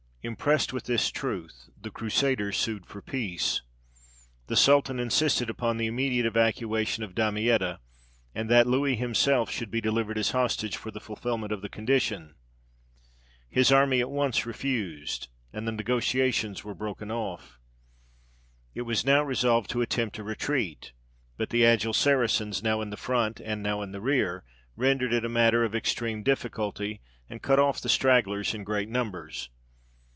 Impressed with this truth, the Crusaders sued for peace. The sultan insisted upon the immediate evacuation of Damietta, and that Louis himself should be delivered as hostage for the fulfilment of the condition. His army at once refused, and the negotiations were broken off. It was now resolved to attempt a retreat; but the agile Saracens, now in the front and now in the rear, rendered it a matter of extreme difficulty, and cut off the stragglers in great numbers.